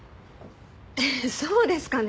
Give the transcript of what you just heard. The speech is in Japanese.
えっそうですかね？